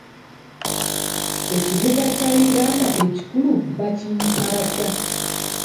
Ekibuga kya Uganda ekikulu bakiyita batya?